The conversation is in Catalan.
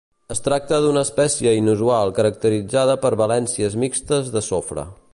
Es tracta d'una espècie inusual caracteritzada per valències mixtes de sofre.